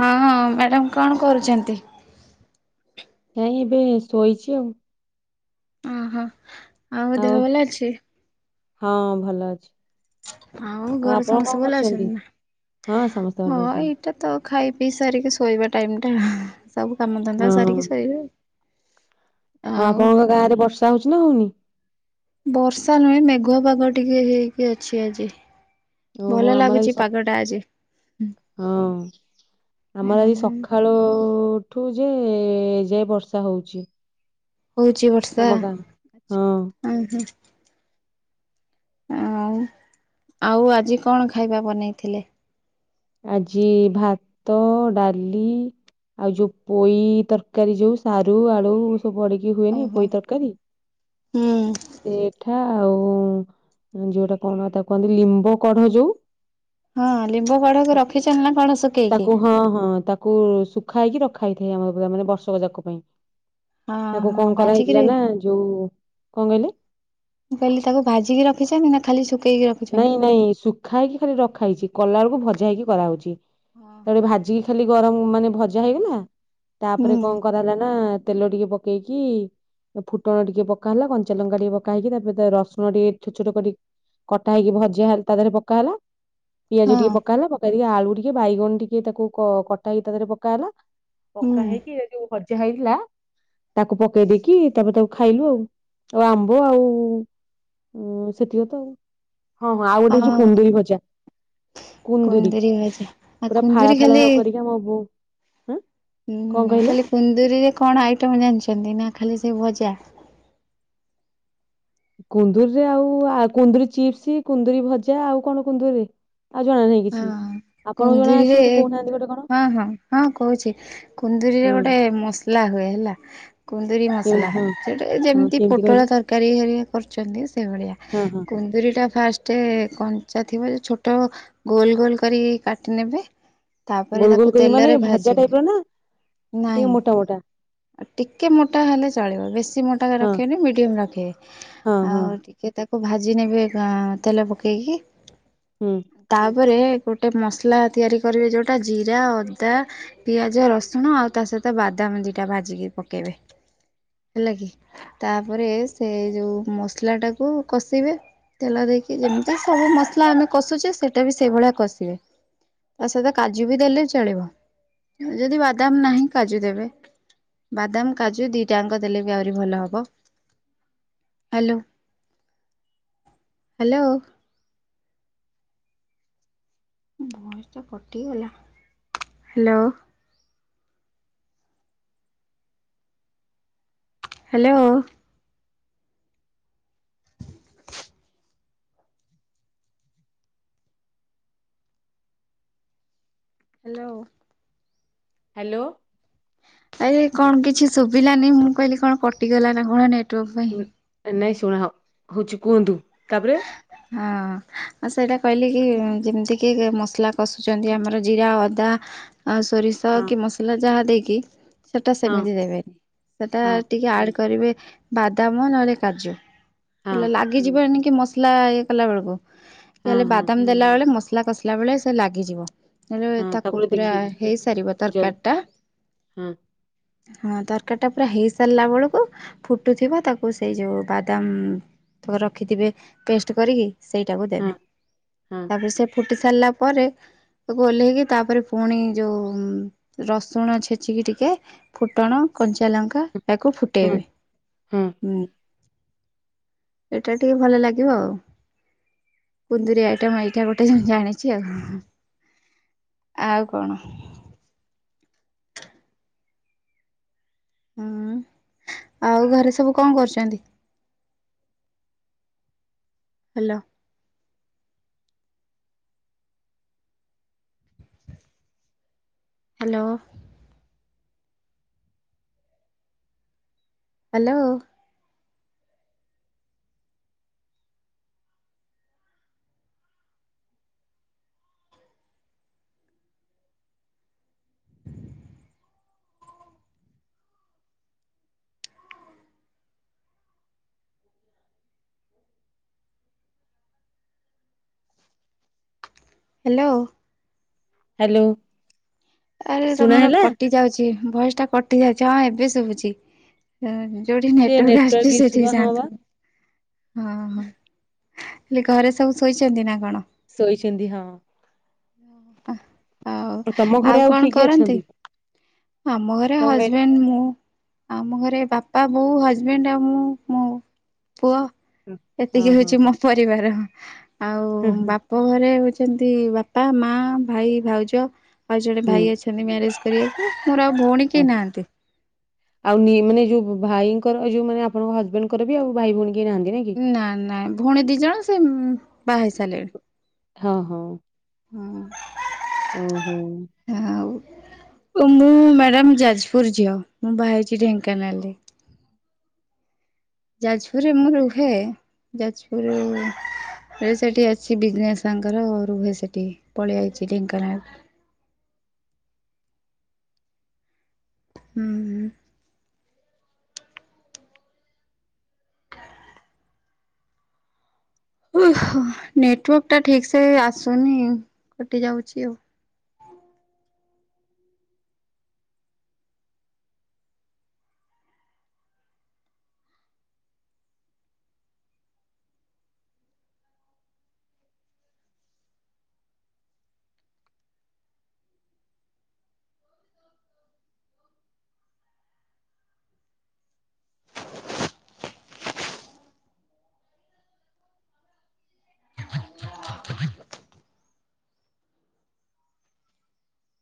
ହଁ ହଁ ମ୍ୟାଡାମ କଣ କରୁଛନ୍ତି? ନାଇଁ ଏବେ ଶୋଇଛି ଆଉ। ଓହୋ, ଆଉ ଦେହ ଭଲ ଅଛି? ହଁ, ଭଲ ଅଛି। ଆଉ ଘରେ ଆପଣ କଣ ସମସ୍ତେ ଭଲ କରୁଛନ୍ତି? ଅଛନ୍ତି ନା? ହଁ ସମସ୍ତେ ଭଲ ହଁ ଏଇ ଅଛନ୍ତି। ଏଇଟା ତ ଖାଇ ପିଇ ସାରିକି ଶୋଇବା ଟାଇମ୍ ଟା, ସବୁ କାମ ଧନ୍ଦା ହଁ ସାରିକି ଶୋଇବେ ଆଉ। ଆଉ ଆପଣଙ୍କ ଗାଁରେ ବର୍ଷା ହଉଛି ନା ହଉନି? ବର୍ଷା ନୁହେଁ, ମେଘୁଆ ପାଗ ଟିକେ ହେଇକି ଅଛି ଆଜି। ଭଲ ଓହୋ ଆମର ଆଜି ଲାଗୁଛି ପାଗ ଟା ଆଜି ସପ୍ ହଁ ଆମର ଆଜି ସପ୍ ସଖାଳ ଉଠୁଚି ଏ ଯାଏ ବର୍ଷା ହଉଛି। ହଉଛି ବର୍ଷା, ଆମ ଗାଁ। ହଁ ଆଁ ହା। ଆଉ ଆଉ ଆଜି କଣ ଖାଇବା ବନେଇଥିଲେ? ଆଜି ଭାତ, ଡାଲି ଆଉ ଯୋଉ ପୋଇ ତରକାରୀ ଯୋଉ ସାରୁ, ଆଳୁ ସବୁ ପଡି। କି ହୁଏନି ଓହୋ। ପୋଇ ତରକାରୀ। ହୁଁ [unintelligible] ପିଠା ଆଉ ଯଉଟା କଣ ତାକୁ କୁହନ୍ତି, ଲିମ୍ବ କଢରେ ଯୋଉ ହଁ, ଲିମ୍ବ କଢକୁ ରଖିଛନ୍ତି ନା କଣ ଶୁଖେଇକି,? ତାକୁ ହଁ ହଁ ତାକୁ ତାକୁ ଶୁଖା ହେଇକି ରଖାହେଇଥାଏ, ଆମର ପୁରା ମାନେ ବର୍ଷକ ଯାକ ପାଇଁ। ହଁ ତାକୁ ହଁ କଣ କରାହେଇଥିଲା ଭାଜିକିରି ନା ଯୋଉ କଣ କହିଲେ? ମୁଁ କହଲି ତାକୁ ଭାଜିକି ରଖିଛନ୍ତି ନା ଖାଲି ଶୁଖେଇକି ରଖ ନାଇଁ ନାଇଁ ଶୁଖା ହେଇକି ରଖା ହେଇଛି, କଲା ବେଳକୁ ଭଜା ହେଇକି କରାହଉଛି, ହଁ ତାକୁ ହଁ। ଟିକେ ଭାଜି ଖାଲି ଗରମ ମାନେ ଭଜା ହେଇଗଲା, ହୁଁ ତାପରେ କଣ କରାହେଲା ନା ତେଲ ଟିକେ ପକ ପକେଇକି ଫୁଟଣ ଟିକେ ପକା ହେଲା କଞ୍ଚା ଲଙ୍କା ଟିକେ ପକା ହେଇକି ତାପରେ ରସୁଣ ଟିକେ ଛୋଟ ଛୋଟ କରିକ କଟା ହେଇକି ଭଜା ତା ଦେହରେ ପକା ହେଲା ପିଆଜ ହଁ ଟିକେ ପକା ହେଲା। ପକ୍ ଖାଲି ଆଳୁ ଟିକେ ବାଇଗଣ ଟିକେ ତାକୁ କଟା ହେଇକି ତା ଦେହରେ ପକା ହେଲା। ହୁଁ ପକା ହେଇକି ଏ ଯୋଉ ଭଜା ହେଇଥିଲା ତାକୁ ପକେଇ ଦେଇକି ତାପରେ ତାକୁ ଖାଇଲୁ ଆଉ, ଆମ୍ବ ଆଉ ଉଁ ସେତିକ ତ, ହଁ ହଁ ଆଉ ଗୋଟେ ହଉଚି ହଁ କୁନ୍ଦୁରି ଭଜା। କୁନ୍ଦୁରି ଭଜା। ଆଉ ସେଇଟା କୁନ୍ଦୁରି ଫାଳ ଫାଳ ଖାଲି କରିକି ଆମ ବୋଉ ଉଁ କଣ ହୁଁ କହିଲେ? ଖାଲି କୁନ୍ଦୁରିରେ କଣ ଆଇଟମ୍ ଜାଣିଚନ୍ତି ନା ଖାଲି ସେ ଭଜା? କୁନ୍ଦୁରିରେ ଆଉ କୁନ୍ଦୁରି ଚିପ୍ସ, କୁନ୍ଦୁରି ଭଜା ଆଉ କଣ କୁନ୍ଦୁରିରେ? ଆଉ ଜଣା ନାହିଁ କିଛି। ହଁ ଆପଣଙ୍କୁ ଜଣା ଅଛି କୁନ୍ଦୁରିରେ ଯଦି କହୁନାହାନ୍ତି ଗୋଟେ କଣ ହଁ ହଁ, ହଁ କହୁଚି କୁନ୍ଦୁରିରେ ହଁ ଗୋଟେ ମସ ମସଲା ହୁଏ ହେଲା କୁନ୍ଦୁରି କେମିତି ମସଲା, ହଁ ସେଟା ହଁ ଯେମିତି କେମିତି ପୋଟଳ କହିଲେ ତର ତରକାରୀ ହେରିକା କରୁଚନ୍ତି ସେଇଭଳିଆ, ହଁ ହଁ କୁନ୍ଦୁରିଟା ଫାଷ୍ଟ ଗୋଟେ କଞ୍ଚା ଥିବ ଯେ ଛୋଟ ଗୋଲ ଗୋଲ କରି କାଟି ନେବେ। ତାପରେ ଗୋଲ ତାକୁ ଗୋଲ କରିକି ମାନେ ତେଲରେ ଭଜା ଭାଜିବେ ଟାଇପ ର ନା ନାଇଁ ଟିକେ ମୋଟା ମୋଟା? ଟିକେ ମୋଟା ହେଲେ ଚଳିବ ବେଶୀ ମୋଟା ହଁ ରଖିବେନି ମିଡ଼ିୟମ ରଖିବେ। ହଁ ହଁ। ଆଉ ଟିକେ ତାକୁ ଭାଜି ନେବେ କା ତେଲ ପକେଇକି। ହୁଁ। ତାପରେ ଗୋଟେ ମସଲା ତିଆରି କରିବେ ଯୋଉଟା ଜିରା, ଅଦା ପିଆଜ ରସୁଣ ଆଉ ତା ସହିତ ବାଦାମ ଦିଟା ଭାଜିକି ପକେଇବେ, ହେଲା କି। ତାପରେ ସେ ଯୋଉ ମସଲା ଟାକୁ କଶି ବେ। ତେଲ ଦେଇକି ଯେମିତି ସବୁ ମସଲା ଆମେ କଷୁଚେ ସେଇଟା ବି ସେଇଭଳିଆ କଷିବେ। ତା ସହିତ କାଜୁ ବି ଦେଲେ ଚଳିବ ଯଦି ବାଦାମ ନାହିଁ କାଜୁ ଦେବେ। ବାଦାମ କାଜୁ ଦିଟା ଯାକ ଦେଲେ ବି ଆହୁରି ଭଲହବ। Hello hello. ଭଏସ ଟା କଟିଗଲା ହ୍ୟାଲୋ। ହ୍ୟାଲୋ। ହ୍ୟାଲୋ। ହ୍ୟାଲୋ। ଆରେ କଣ କିଛି ଶୁଭିଲାନି ମୁଁ କହିଲି କଣ କଟିଗଲା ନା କଣ ନେଟ୍ ନାଇଁ ଶୁଣାଅ ହଉଚି କୁହନ୍ତୁ ତାପରେ ହଁ ଆଉ ସେଇଟା କହିଲି କି ଯେମିତି କି ମସଲା କଷୁଚନ୍ତି ଆମର ଜିରା ଅଦା ସୋରିଷ ହଁ। କି ମସଲା ଯାହା ଦେଇକି ସେଟା ହଁ। ସେମିତି ଦେବେନି। ସେଟା ହଁ ଟିକେ ଆଡ୍ କରିବେ ବାଦାମ୍ ନହେଲେ କାଜୁ ହେଲେ ହଁ ଲାଗିଯିବ ଏଣିକି। ମସଲା ଇଏ କଲା ବେଳକୁ ହଁ ହେଲେ ହଁ ବାଦାମ୍ ଦେଲା ବେଳେ ମସଲା କସିଲା ବେଳେ ସେ ଲାଗିଯିବ। ହେଲେ ହଁ ତାକୁ ତାପରେ ପୁରା ଦେଖିକି ହେଇସାରିବ ଜଲ ତରକାରି ଟା ହଁ ହଁ ତରକାରୀଟା ପୁରା ହେଇସାରିଲା ବେଳକୁ ଫୁଟୁଥିବ ତାକୁ ସେଇ ଯଉ ବାଦାମ୍ ତାକୁ ରଖିଥିବେ ପେଷ୍ଟ କରିକି ସେଇଟାକୁ ହଁ ଦେବେ ହଁ ତାପରେ ସେ ଫୁଟି ସାରିଲା ପରେ ତାକୁ ଓହ୍ଲେଇକି ତାପରେ ପୁଣି ଯଉ ରସୁଣ ଛେଚିକି ଟିକେ ଫୁଟଣ କଞ୍ଚାଲଙ୍କା ତାକୁ ହଁ ଫୁଟେଇବେ ହଁ ହୁଁ ଏଇଟା ଟିକେ ଭଲ ଲାଗେ ଲାଗିବ ଆଉ କୁନ୍ଦୁରି ଆଇଟମ୍ ଏଇଟା ଗୋଟେ ଜାଣିଚି ଆଉ। ଆଉ କଣ? ଉଁ ଆଉ ଘରେ ସବୁ କଣ କରୁଚନ୍ତି? Hello. Hello. Hello. Hello. Hello. ଆରେ ଶୁଣା ତମର ହେଲା କଟି ଯାଉଛି ଭଏସ୍ ଟା କଟି ଯାଉଛି ହଁ ଏବେ ଶୁଭୁଛି। ଯୋଉଠି ସେ ନେଟୱାର୍କ ଆସୁଛି ଇସୁ ବା ସେଠିକି ହଁ ବା ଯାଆନ୍ତୁ। ହଁ ହଁ ହେଲେ ଘରେ ସବୁ ଶୋଇଛନ୍ତି ନା କଣ? ଶୋଇଛନ୍ତି ହଁ। ଓ ହ [unintelligible] ଆଉ ତମ ଘରେ ଆଉ କଣ କିଏ କିଏ କରନ୍ତି ଅଛନ୍ତି ଆମ ଘରେ କଣ କହିଲେ ହଜବେଣ୍ଡ ମୁଁ। ଆମ ଘରେ ବାପା ବୋଉ ହଜବେଣ୍ଡ ଆଉ ମୁଁ ମୋ ପୁଅ। ଏତିକି ଓହୋ ହଉଛି ମୋ ପରିବାର ଆଉ ବା ବାପ ଘରେ ହେଉଛନ୍ତି ବାପା ମା ଭାଇ ଭାଉଜ ଆଉ ଜଣେ ହୁଁ ଭାଇ ଅଛ। ମ୍ୟାରେଜ୍ କରିବାକୁ ମୋର ଆଉ ଭଉଣୀ କେହି ଆଚ୍ଛା। ନାହାନ୍ତି। ଆଉ ମାନେ ଯୋଉ ଭାଇଙ୍କର ଯୋଉ ମାନେ ଆପଣଙ୍କ ହଜବେଣ୍ଡଙ୍କର ବି ଆଉ ଭାଇ ଭଉଣୀ କେହି ନାହାନ୍ତି ନାଇଁ। କି ନା ନା ଭଉଣୀ ଦି ଜଣ ସେ ବାହା ହେଇ ସାରିଲେଣି। ହଁ ହଁ ହଁ ହୁଁ ହୁଁ। ମୁଁ ମ୍ୟାଡ଼ାମ ଯାଜପୁର ଝିଅ ମୁଁ ବାହା ହେଇଛି ଢେଙ୍କାନାଳରେ। ଯାଜପୁରରେ ମୁଁ ରୁହେ ଯାଜପୁର ସେଠି ଅଛି ବିଜନେସ୍ ଆଙ୍କର ରୁହେ ସେଠି ପଳେଇ ଆଇଛି ଢେଙ୍କାନାଳ। ହୁଁ। ହ [inaudible] ଓହୋ ନେଟୱାର୍କ ଟା ଠିକ୍ ସେ ଆସୁନି କଟି ଯାଉଛି ଆଉ।